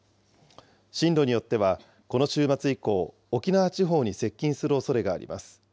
進路によってはこの週末以降、沖縄地方に接近するおそれがあります。